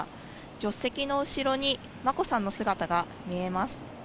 助手席の後ろに眞子さんの姿が見えます。